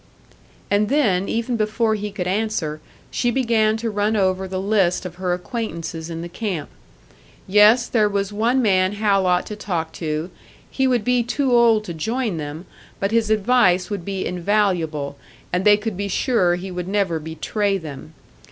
And then, even before he could answer, she began to run over the list of her acquaintances in the camp. Yes, there was one man Hal ought to talk to; he would be too old to join them, but his advice would be invaluable, and they could be sure he would never betray them.